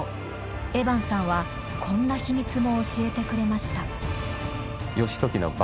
エバンさんはこんな秘密も教えてくれました。